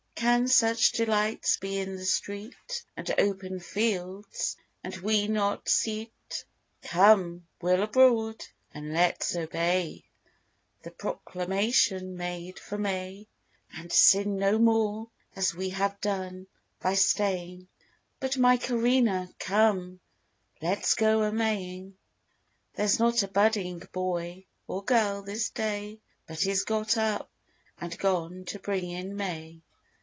Can such delights be in the street, And open fields, and we not see't? Come, we'll abroad: and let's obey The proclamation made for May: And sin no more, as we have done, by staying; But, my Corinna, come, let's go a Maying. There's not a budding boy, or girl, this day, But is got up, and gone to bring in May.